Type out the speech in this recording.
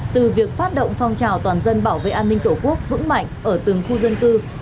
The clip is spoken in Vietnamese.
từ việc phát động phong trào toàn dân bảo vệ an ninh tổ quốc vững mạnh ở từng khu dân cư